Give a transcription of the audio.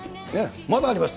まだあります。